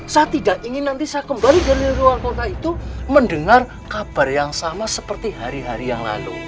saya tidak ingin nanti saya kembali dari luar kota itu mendengar kabar yang sama seperti hari hari yang lalu